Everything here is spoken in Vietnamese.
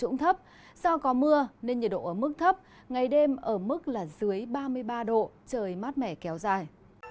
nhiệt độ ở mức thấp ngày đêm ở mức dưới ba mươi ba độ trời mát mẻ kéo dài